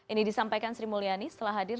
ini disampaikan sri mulyani setelah hadir